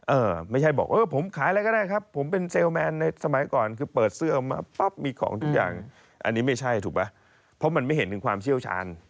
เออไม่ใช่บอกเออผมขายอะไรก็ได้ครับผมเป็นเซลแมนในสมัยก่อนคือเปิดเสื้อออกมาปั๊บมีของทุกอย่างอันนี้ไม่ใช่ถูกไหมเพราะมันไม่เห็นถึงความเชี่ยวชาญ